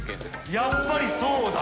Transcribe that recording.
やっぱりそうだ。